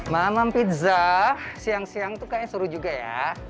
mama pizza siang siang tuh kayaknya seru juga ya